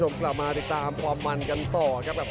มันกำเท่าที่เขาซ้ายมันกำเท่าที่เขาซ้าย